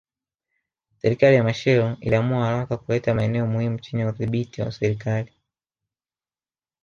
Serikali ya Machel iliamua haraka kuleta maeneo muhimu chini ya udhibiti wa serikali